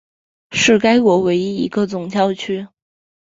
是该国唯一一个总教区。